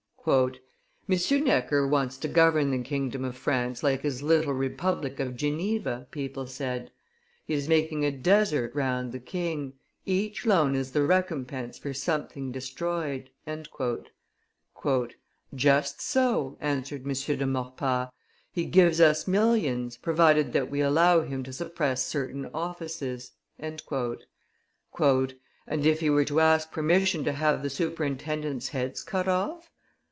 "M. Necker wants to govern the kingdom of France like his little republic of Geneva," people said: "he is making a desert round the king; each loan is the recompense for something destroyed." "Just so," answered M. de Maurepas: "he gives us millions, provided that we allow him to suppress certain offices." "And if he were to ask permission to have the superintendents' heads cut off?"